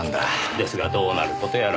ですがどうなる事やら。